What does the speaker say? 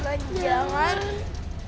pokoknya di belakang